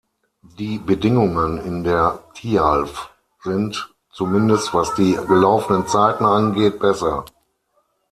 Die Bedingungen in der Thialf sind, zumindest was die gelaufenen Zeiten angeht, besser.